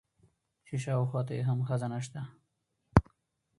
چې شاوخوا ته يې هم ښځه نشته ده.